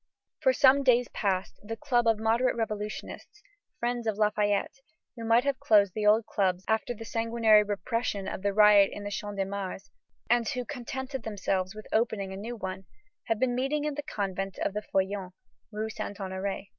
For some days past, the Club of Moderate Revolutionists, friends of Lafayette, who might have closed the old clubs after the sanguinary repression of the riot in the Champ de Mars, and who contented themselves with opening a new one, have been meeting in the convent of the Feuillants, rue Saint Honoré.